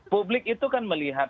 publik itu kan melihat